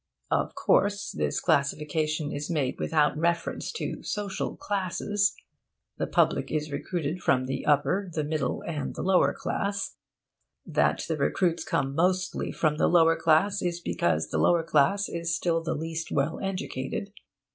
(Of course, this classification is made without reference to social 'classes.' The public is recruited from the upper, the middle, and the lower class. That the recruits come mostly from the lower class is because the lower class is still the least well educated.